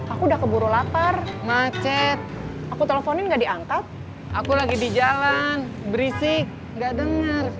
aku udah keburu lapar macet aku teleponin gak diangkat aku lagi di jalan berisik gak denger